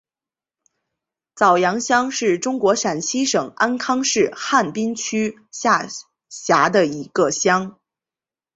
早阳乡是中国陕西省安康市汉滨区下辖的一个乡。